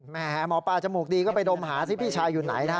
หมอปลาจมูกดีก็ไปดมหาสิพี่ชายอยู่ไหนนะฮะ